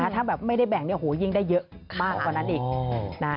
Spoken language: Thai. ถ้าแบบไม่ได้แบ่งยิ่งได้เยอะมากกว่านั้นอีก